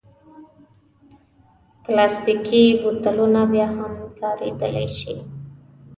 پلاستيکي بوتلونه بیا هم کارېدلی شي.